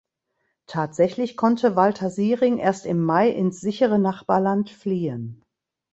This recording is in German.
Tatsächlich konnte Walter Siering erst im Mai ins sichere Nachbarland fliehen.